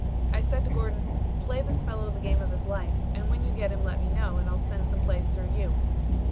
I said to Gordon, 'Play this fellow the game of his life, and when you get him, let me know and I'll send some plays through you.'